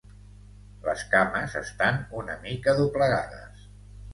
Les cames estan una mica doblegades.